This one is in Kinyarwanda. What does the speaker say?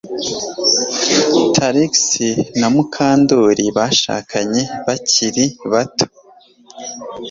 Trix na Mukandoli bashakanye bakiri bato